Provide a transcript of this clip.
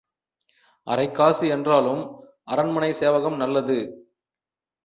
அரைக்காசு என்றாலும் அரண்மனைச் சேவகம் நல்லது.